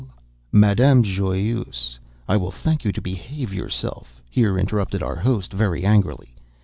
"Madame Joyeuse, I will thank you to behave yourself!" here interrupted our host, very angrily.